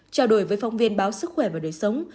trào đổi với phong viên báo sức khỏe và đời sống